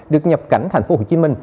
được nhập cảnh tp hcm